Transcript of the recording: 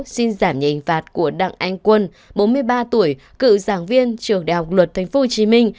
xin giảm nhìn phạt của đặng anh quân bốn mươi ba tuổi cựu giảng viên trường đại học luật thánh phú hồ chí minh